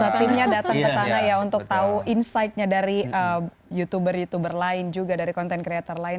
timnya datang ke sana ya untuk tahu insightnya dari youtuber youtuber lain juga dari content creator lain